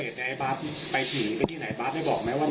บาร์ดไปถึงที่ไหนบาร์ดได้บอกไหมว่า